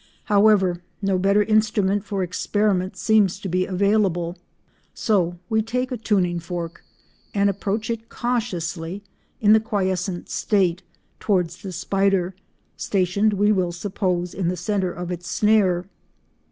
However, no better instrument for experiment seems to be available, so we take a tuning fork, and approach it cautiously—in the quiescent state—towards the spider, stationed, we will suppose, in the centre of its snare.